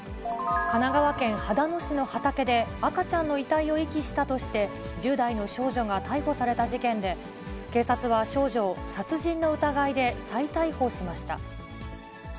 神奈川県秦野市の畑で、赤ちゃんの遺体を遺棄したとして、１０代の少女が逮捕された事件で、警察は少女を殺人の疑いで再逮捕しました。